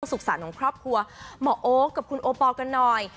สุขสรรค์ของครอบครัวหมอโอ๊คกับคุณโอปอลกันหน่อย